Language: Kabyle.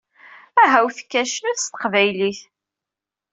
Aha-wet kan cnut s teqbaylit!